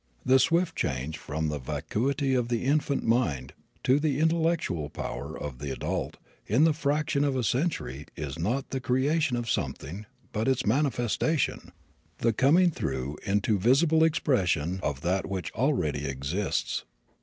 The swift change from the vacuity of the infant mind to the intellectual power of the adult in the "fraction of a century" is not the creation of something but its manifestation the coming through into visible expression of that which already exists.